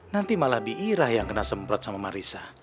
nanti malah biirah yang kena semprot sama marissa